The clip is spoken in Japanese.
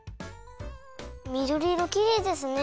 みどりいろきれいですね！